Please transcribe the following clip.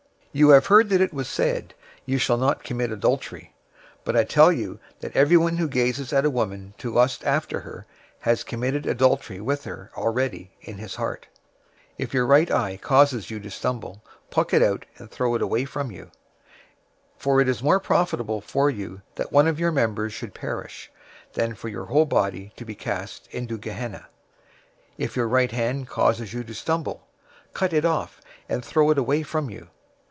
} 005:027 "You have heard that it was said, {TR adds "to the ancients,"} 'You shall not commit adultery;'{Exodus 20:14} 005:028 but I tell you that everyone who gazes at a woman to lust after her has committed adultery with her already in his heart. 005:029 If your right eye causes you to stumble, pluck it out and throw it away from you. For it is more profitable for you that one of your members should perish, than for your whole body to be cast into Gehenna.{or, Hell} 005:030 If your right hand causes you to stumble, cut it off, and throw it away from you.